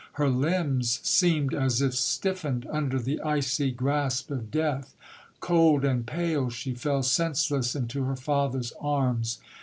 Her limbs seemed as if stiffened under the icy grasp of death. Cold and pale, she fell senseless into her father's arms.